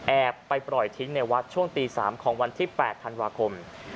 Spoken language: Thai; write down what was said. ไปปล่อยทิ้งในวัดช่วงตี๓ของวันที่๘ธันวาคม